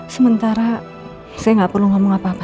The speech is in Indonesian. sementara saya nggak perlu ngomong apa apa